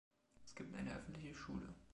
Es gibt eine öffentliche Schule.